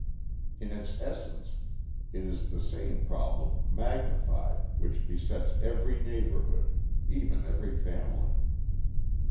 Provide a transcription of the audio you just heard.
In its essence it is the same problem, magnified, which besets every neighbourhood, even every family.